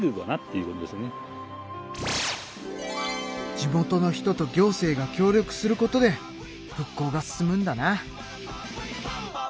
地元の人と行政が協力することで復興が進むんだな。